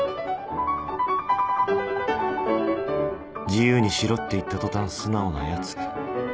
自由にしろって言った途端素直なヤツ。